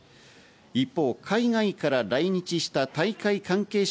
一方、海外から来日した大会関係者